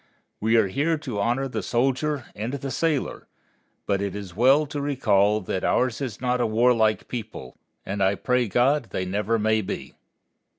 We are here to honor the soldier and the sailor; but it is well to recall that ours is not a warlike people, and I pray God they never may be.